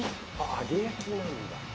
揚げ焼きなんだ。